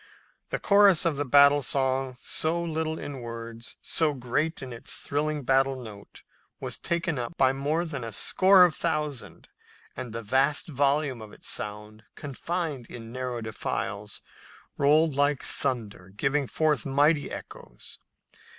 The chorus of the battle song, so little in words, so great in its thrilling battle note, was taken up by more than a score of thousand, and the vast volume of sound, confined in narrow defiles, rolled like thunder, giving forth mighty echoes.